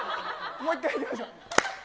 もう一回いきましょう。